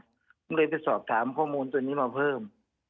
ผมเลยไปสอบถามข้อมูลตัวนี้มาเพิ่ม